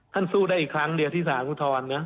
ท่านสู้ได้อีกครั้งเดียวที่สาหกุธรนะ